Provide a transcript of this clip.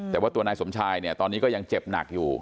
แต่ว่าตัวนายสมชายเนี่ยตอนนี้ก็ยังเจ็บหนักอยู่